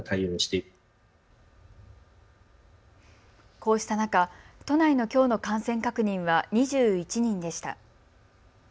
こうした中、都内のきょうの感染確認は２１人でした。